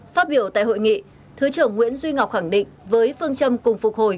phát biểu tại hội nghị thứ trưởng nguyễn duy ngọc khẳng định với phương châm cùng phục hồi